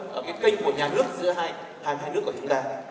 cái kênh của nhà nước giữa hai nước của chúng ta